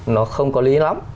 nó không có lý lắm